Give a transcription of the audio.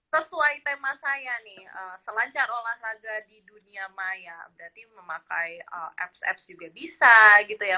jadi sesuai tema saya nih selancar olahraga di dunia maya berarti memakai apps apps juga bisa gitu ya mas